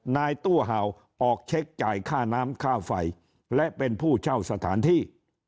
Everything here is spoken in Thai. นายตู้เห่าออกเช็คจ่ายค่าน้ำค่าไฟและเป็นผู้เช่าสถานที่